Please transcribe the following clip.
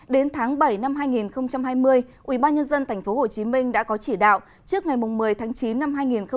đến tháng bảy năm hai nghìn hai mươi ubnd tp hcm đã có chỉ đạo trước ngày một mươi tháng chín năm hai nghìn hai mươi